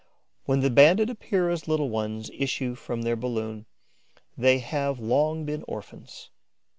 When the Banded Epeira's little ones issue from their balloon, they have long been orphans.